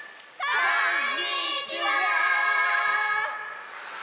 こんにちは！